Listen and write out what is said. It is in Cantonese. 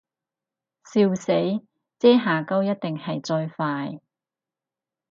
笑死，遮瑕膏一定係最快